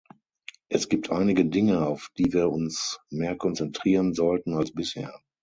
Es gibt einige Dinge, auf die wir uns mehr konzentrieren sollten als bisher.